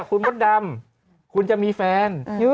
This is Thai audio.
คุณมดดำคุณจะมีแฟน